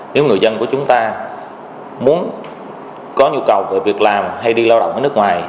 nếu người dân của chúng ta muốn có nhu cầu về việc làm hay đi lao động ở nước ngoài